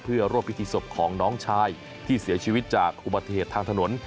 เพื่อร่วมพิธีศพของน้องชายที่เสียชีวิตจากอุบัติเหตุทางถนน